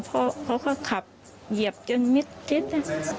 พ่อเขาก็ขับเหยียบจนมิดเจ็ดนะ